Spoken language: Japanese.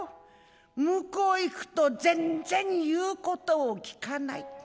向こう行くと全然言うことを聞かない。